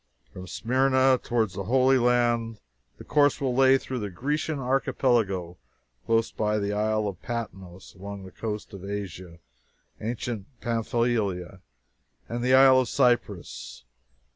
From Smyrna towards the Holy Land the course will lay through the Grecian Archipelago, close by the Isle of Patmos, along the coast of Asia, ancient Pamphylia, and the Isle of Cyprus.